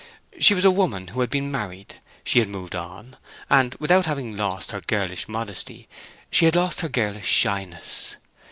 She was a woman who had been married; she had moved on; and without having lost her girlish modesty, she had lost her girlish shyness.